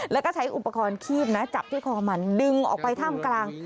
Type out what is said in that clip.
แล้วก็ใช้อุปกรณ์คีบนะจับที่คอมันดึงออกไปถ้ำกลาง